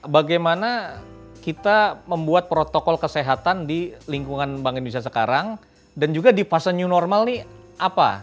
bagaimana kita membuat protokol kesehatan di lingkungan bank indonesia sekarang dan juga di fase new normal ini apa